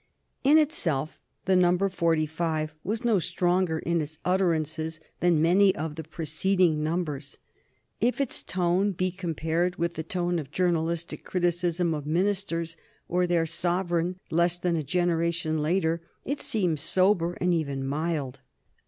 In itself the number forty five was no stronger in its utterances than many of the preceding numbers. If its tone be compared with the tone of journalistic criticism of ministers or their sovereign less than a generation later, it seems sober and even mild.